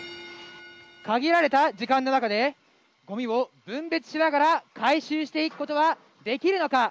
限られた時間の中でゴミを分別しながら回収していくことができるのか？